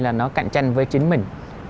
là nó cạnh tranh với chính mình